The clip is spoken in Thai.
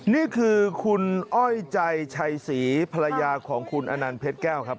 นี่คือคุณอ้อยใจชัยศรีภรรยาของคุณอนันต์เพชรแก้วครับ